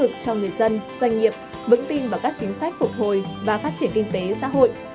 các lĩnh vực trong người dân doanh nghiệp vững tin vào các chính sách phục hồi và phát triển kinh tế xã hội